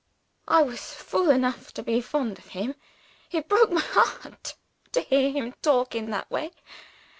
I was fool enough to be fond of him. It broke my heart to hear him talk in that way.